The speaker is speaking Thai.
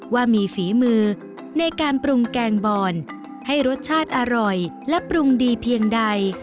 ว่ามีฝีมือในการปรุงแกงบอนให้รสชาติอร่อยและปรุงดีเพียงใด